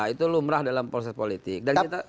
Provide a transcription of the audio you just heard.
itu lumrah dalam proses politik